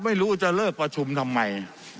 ไม่รู้จะเลิกประชุมทำไม